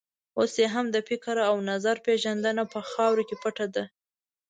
اوس یې هم د فکر او نظر پېژندنه په خاورو کې پټه ده.